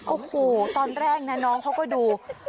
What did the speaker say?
โอ้โหตอนแรกนะน้องเขาก็ดู